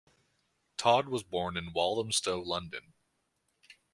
Todd was born in Walthamstow, London.